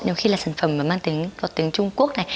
nhiều khi là sản phẩm mang tiếng trung quốc này